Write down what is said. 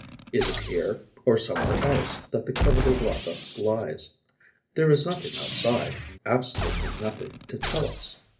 Is it here or somewhere else that the coveted larva lies? There is nothing outside, absolutely nothing, to tell us.